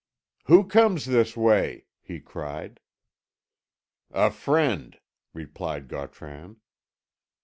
"Who comes this way?" he cried. "A friend," replied Gautran.